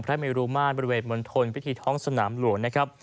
บริเวธมณฑลพิธีท้องสนามหลวง